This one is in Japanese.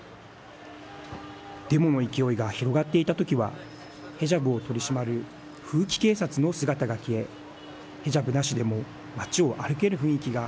デモの勢いが広がっていた時はヘジャブを取り締まる風紀警察の姿が消えヘジャブなしでも街を歩ける雰囲気が